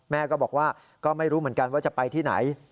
แม่ก็บอกว่าก็ไม่รู้เหมือนกันว่าจะไปที่ไหน